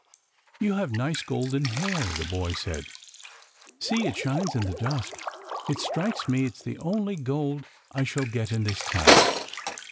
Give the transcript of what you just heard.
" You have nice golden hair," the boy said. " See ! it shines in the dusk. It strikes me it's the only gold I shall get in this town."